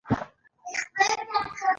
زړه مي چاودلی دی